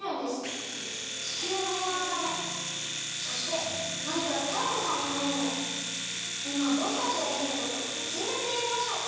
地球のへいわのためそしてマイカとタアコさんのためにもいまはぼくたちができることをぜんりょくでやりましょう！